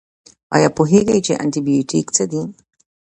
ایا پوهیږئ چې انټي بیوټیک څه دي؟